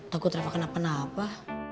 takut reva kena apa apa